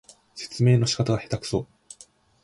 説明の仕方がへたくそ